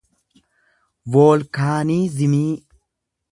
voolkaaniizimii